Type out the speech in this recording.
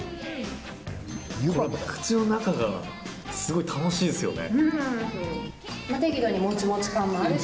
口の中がすごい楽しいですよね。